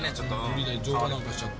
乗馬なんかしちゃって。